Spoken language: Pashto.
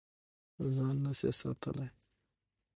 ځان نه شې ساتلی.